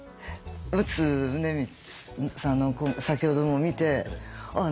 陸奥宗光さんの先ほども見てああ